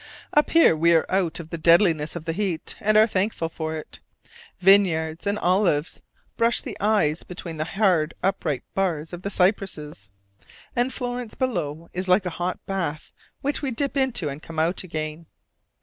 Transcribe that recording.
Up here we are out of the deadliness of the heat, and are thankful for it. Vineyards and olives brush the eyes between the hard, upright bars of the cypresses: and Florence below is like a hot bath which we dip into and come out again.